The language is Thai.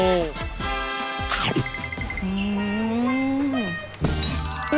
อือ